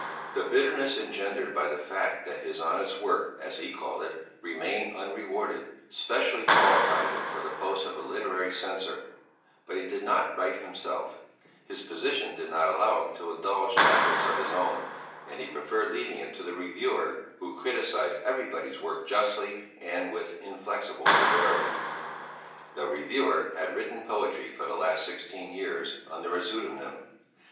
The bitterness engendered by the fact that his honest work, as he called it, remained unrewarded specially qualified him for the post of a literary censor; but he did not write himself: his position did not allow him to indulge in efforts of his own, and he preferred leaving it to the reviewer who criticized everybody's work justly and with inflexible severity. The reviewer had written poetry for the last sixteen years under a pseudonym.